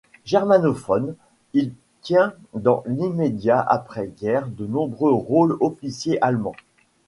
Germanophone, il tient, dans l'immédiat après-guerre, de nombreux rôles d'officier allemand.